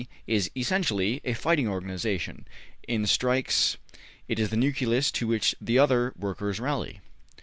is essentially a fighting organization; in strikes, it is the nucleus to which the other workers rally.